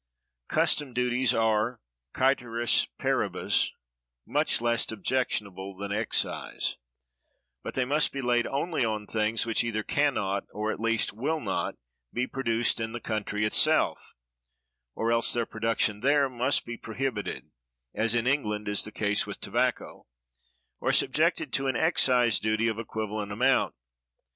Custom duties are, cæteris paribus, much less objectionable than excise: but they must be laid only on things which either can not, or at least will not, be produced in the country itself; or else their production there must be prohibited (as in England is the case with tobacco), or subjected to an excise duty of equivalent amount.